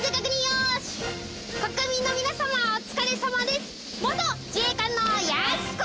国民の皆様お疲れさまです。